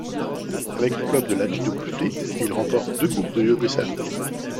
Avec le club de l'Hajduk Split, il remporte deux Coupes de Yougoslavie.